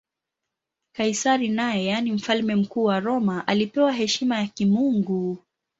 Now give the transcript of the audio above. Kaisari naye, yaani Mfalme Mkuu wa Roma, alipewa heshima ya kimungu.